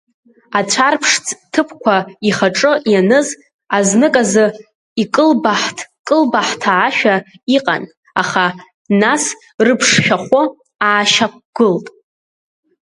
Ацәарԥшӡ ҭыԥқәа ихаҿы ианыз азныказы икылбаҳҭ-кылбаҳҭаашәа иҟан, аха нас рыԥшшәахәы аашьақәгылт.